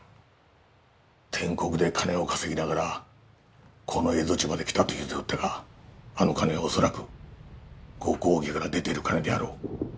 篆刻で金を稼ぎながらこの蝦夷地まで来たと言うておったがあの金は恐らくご公儀から出ている金であろう。